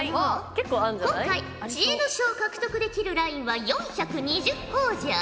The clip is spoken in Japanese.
今回知恵の書を獲得できるラインは４２０ほぉじゃ。